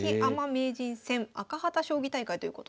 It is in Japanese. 名人戦赤旗将棋大会ということで。